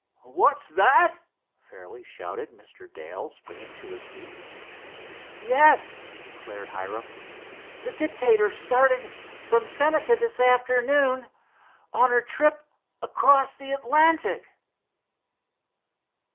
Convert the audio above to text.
"What's that!" fairly shouted Mr. Dale, springing to his feet. "Yes," declared Hiram. "The Dictator started from Senca this afternoon—on her trip across the Atlantic!"